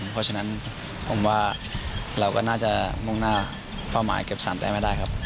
เพราะฉะนั้นผมว่าเราก็น่าจะมุ่งหน้าเป้าหมายเก็บ๓แต้มให้ได้ครับ